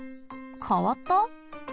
かわった？